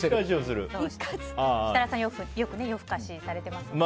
設楽さんよく夜更かしされてますもんね。